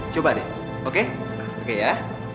coba deh oke oke ya